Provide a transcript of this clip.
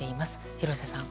廣瀬さん。